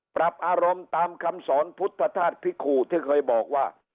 ปรับอารมณ์ตามคำสอนพุทธธาตุพิขู่ที่เคยบอกว่า